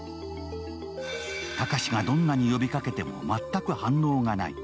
高志がどんなに呼びかけても全く反応がない。